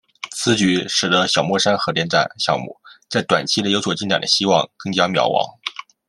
此举使得小墨山核电站项目在短期内有所进展的希望更加渺茫。